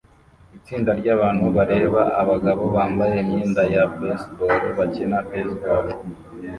Itsinda ryabantu bareba abagabo bambaye imyenda ya baseball bakina baseball